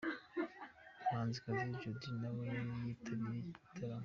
Umuhanzikazi Jody nawe yari yitabiriye iki gitaramo.